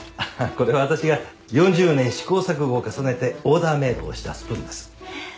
これは私が４０年試行錯誤を重ねてオーダーメイドをしたスプーンです。